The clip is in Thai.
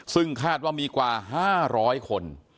ซึ่งคาดว่ามีกว่า๕๐๐คน